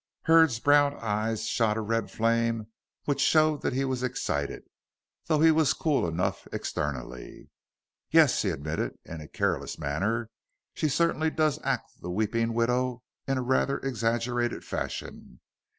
Hurd's brown eyes shot a red flame which showed that he was excited, though he was cool enough externally. "Yes," he admitted in a careless manner, "she certainly does act the weeping widow in rather an exaggerated fashion.